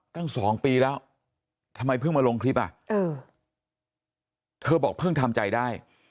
ตั้ง๒ปีแล้วทำไมเพิ่งมาลงคลิปอ่ะเออเธอบอกเพิ่งทำใจได้